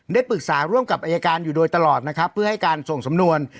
ได้ปรึกษาร่วมกับอายการอยู่โดยตลอดนะครับเพื่อให้การส่งสำนวน